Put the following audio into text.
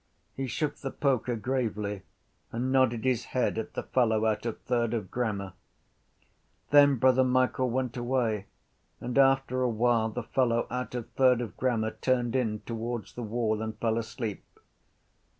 He shook the poker gravely and nodded his head at the fellow out of third of grammar. Then Brother Michael went away and after a while the fellow out of third of grammar turned in towards the wall and fell asleep.